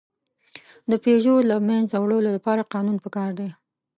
د پيژو د له منځه وړلو لپاره قانون پکار دی.